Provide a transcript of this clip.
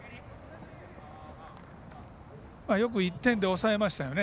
よく１点で抑えましたよね。